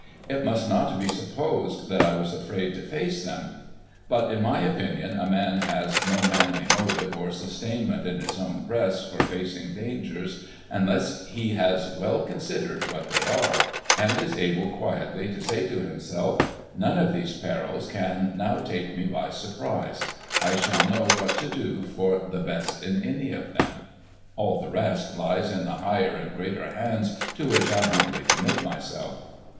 It must not be supposed that I was afraid to face them ; but, in my opinion a man has no manly motive or sustainment in his own breast for facing dangers, unless he has well considered what they are, and is able quietly to say to himself, ' None of these perils can now take me by surprise ; I shall know what to do for the best in any of them ; all the rest lies in the higher and greater hands to which I humbly commit myself.'